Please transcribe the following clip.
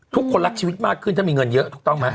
ทุกคนรักชีวิตมากขึ้นถ้ามีเงินเยอะถูกต้องไหม